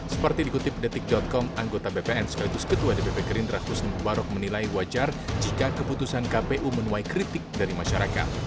seperti dikutip detik com anggota bpn sekaligus ketua dpp gerindra husni mubarok menilai wajar jika keputusan kpu menuai kritik dari masyarakat